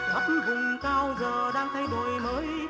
thắp vùng cao giờ đang thay đổi mới